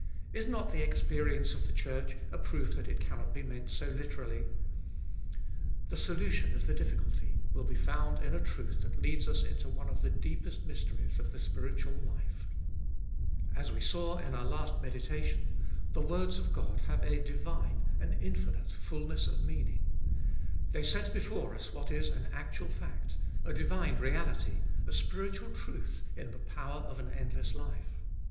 Is not the experience of the Church a proof that it cannot be meant so literally ? The solution of the difficulty will be found in a truth that leads us into one of the deepest mysteries of the spiritual life. As we saw in our last meditation, the words of God have a divine, an infinite fulness of meaning. They set before us what is an actual fact, a divine reality, a spiritual truth in the power of the endless life.